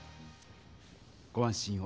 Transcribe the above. ご安心を。